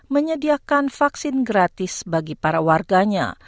menyediakan vaksin gratis bagi para warganya